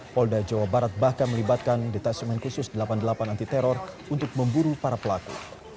polda jawa barat bahkan melibatkan detesemen khusus delapan puluh delapan anti teror untuk memburu para pelaku